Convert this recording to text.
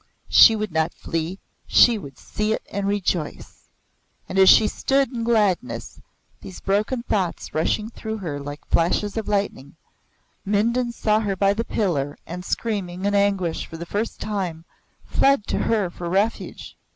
She would not flee; she would see it and rejoice. And as she stood in gladness these broken thoughts rushing through her like flashes of lightning Mindon saw her by the pillar and, screaming in anguish for the first time, fled to her for refuge.